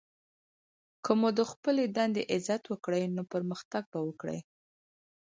که مو د خپلي دندې عزت وکړئ! نو پرمختګ به وکړئ!